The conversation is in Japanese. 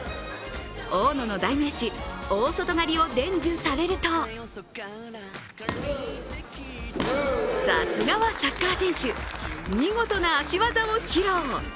大野の代名詞、大外刈りを伝授されるとさすがはサッカー選手、見事な足技を披露。